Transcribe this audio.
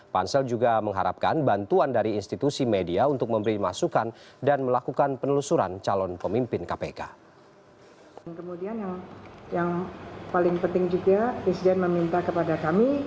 pansel juga mengharapkan bantuan dari institusi media untuk memberi masukan dan melakukan penelusuran calon pemimpin kpk